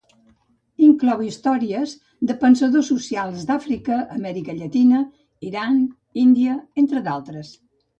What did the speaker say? Inclou històries de pensadors socials d'Àfrica, Amèrica Latina, Iran, Índia, entre d'altres.